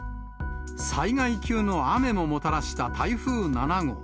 災害級の雨ももたらした台風７号。